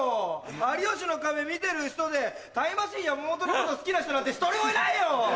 『有吉の壁』見てる人でタイムマシーン・山本のこと好きな人なんて１人もいないよ！